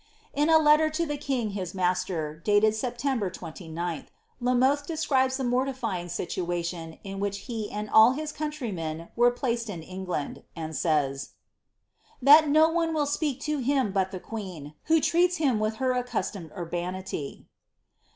In a letter to the king his ma.ster, dated September 29th. La Vi describes the mortifying situation in which he anil all his counir] were placed In England, and says, that no one will speak to hin the queen, who treats him with her accustomed urbanity.''''